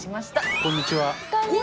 こんにちは。